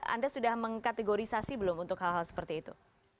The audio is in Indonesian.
anda sudah mengkategorisasi belum untuk hal hal seperti itu